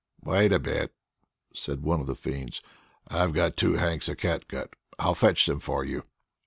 "Wait a bit!" said one of the fiends. "I've got two hanks of catgut; I'll fetch them for you."